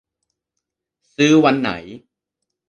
ซื้อวันไหน